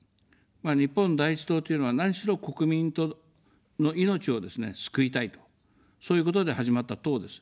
日本第一党というのは、何しろ国民の命をですね、救いたいと、そういうことで始まった党です。